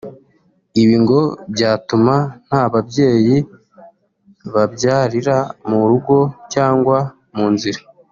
ibi ngo byatuma nta babyeyi babyarira mu rugo cyangwa mu nzira